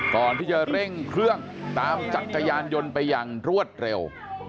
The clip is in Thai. ก่อนที่จะเร่งเครื่องตามจักรยานยนต์ไปอย่างรวดเร็ว